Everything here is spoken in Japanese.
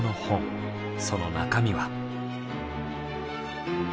その中身は。